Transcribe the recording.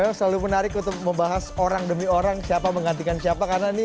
memang selalu menarik untuk membahas orang demi orang siapa menggantikan siapa karena ini